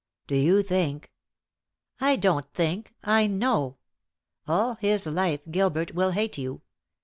"Do you think " "I don't think I know. All his life Gilbert will hate you.